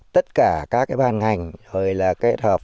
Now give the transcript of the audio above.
tất cả các cái ban ngành rồi là kết hợp